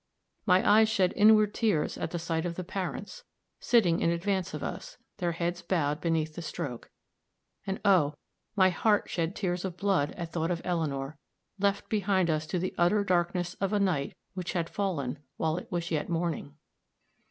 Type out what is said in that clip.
My eyes shed inward tears at the sight of the parents, sitting in advance of us, their heads bowed beneath the stroke; and, oh! my heart shed tears of blood at thought of Eleanor, left behind us to the utter darkness of a night which had fallen while it was yet morning.